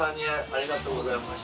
ありがとうございます